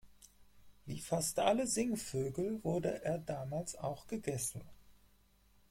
Wie fast alle Singvögel wurde er damals auch gegessen.